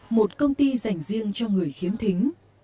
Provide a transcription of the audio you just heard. một công ty dành riêng cho người khiếm thính